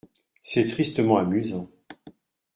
C’est tristement amusant.